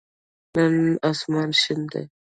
نن آسمان شین دی.